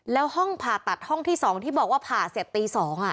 แล้วห้องผ่าตัดห้องที่๒ที่บอกว่าผ่าเสร็จตี๒